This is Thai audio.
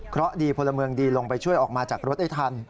เพราะดีพลเมืองดีลงไปช่วยออกมาจากรถได้ทัน